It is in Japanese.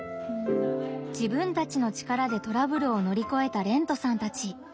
自分たちの力でトラブルをのりこえたれんとさんたち。